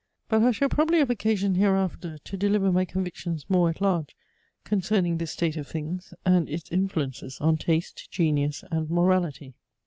But I shall probably have occasion hereafter to deliver my convictions more at large concerning this state of things, and its influences on taste, genius and morality.